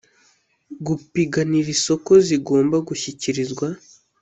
gupiganira isoko zigomba gushyikirizwa